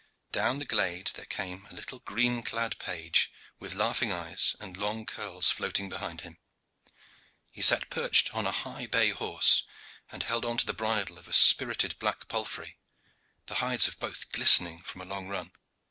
Down the glade there came a little green clad page with laughing eyes, and long curls floating behind him. He sat perched on a high bay horse, and held on to the bridle of a spirited black palfrey, the hides of both glistening from a long run.